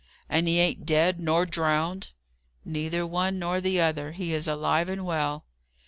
"And he ain't dead nor drownded?" "Neither one nor the other. He is alive and well."